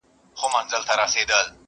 ښکاري زرکه هم په نورو پسي ولاړه,